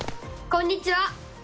こんにちは！